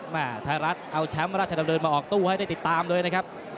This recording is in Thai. แถมรัฐเอาแชมป์ราชธนรรย์มาออกตู้ให้ได้ติดตามเลยนะครับ